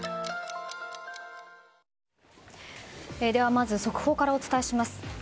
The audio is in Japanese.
まず速報からお伝えします。